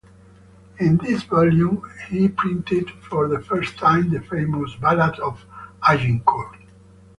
In this volume he printed for the first time the famous "Ballad of Agincourt".